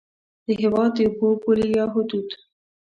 د هېواد د اوبو پولې یا حدود